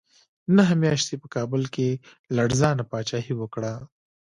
نهه میاشتې یې په کابل کې لړزانه پاچاهي وکړه.